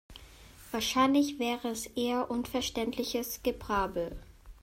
Wahrscheinlich wäre es eher unverständliches Gebrabbel.